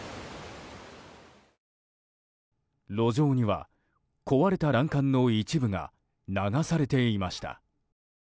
路上には、壊れた欄干の一部が流されていました。